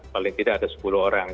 paling tidak ada sepuluh orang